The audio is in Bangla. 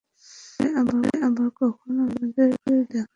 পরে আবার কখনো আমাদের দেখা হবে?